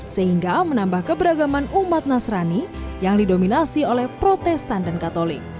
sehingga menambah keberagaman umat nasrani yang didominasi oleh protestan dan katolik